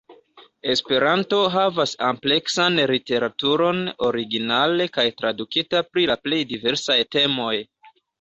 Esperanto havas ampleksan literaturon, originale kaj tradukita, pri la plej diversaj temoj.